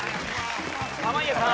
濱家さん。